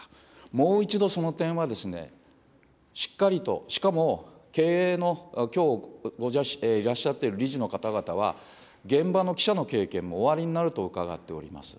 もう一度その点は、しっかりと、しかも経営の、きょういらっしゃってる理事の方々は、現場の記者の経験もおありになると伺っております。